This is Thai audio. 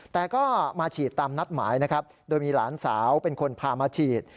แต่ก็มาฉีดตามนัดหมายนะครับโดยมีหลานสาวเป็นคนพามาฉีด